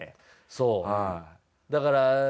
そう。